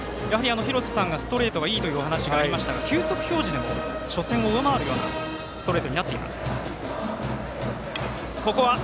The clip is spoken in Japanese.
廣瀬さんがストレートがいいという話がありましたが球速表示でも初戦を上回るようなストレートになっています。